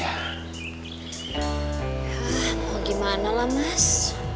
yah mau gimana lah mas